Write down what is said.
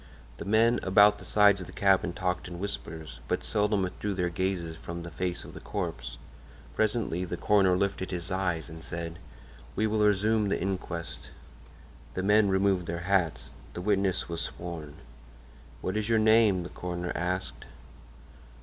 The men about the sides of the cabin talked in whispers, but seldom withdrew their gaze from the face of the corpse. Presently the coroner lifted his eyes and said: "We will resume the inquest." The men removed their hats. The witness was sworn. "What is your name?" the coroner asked.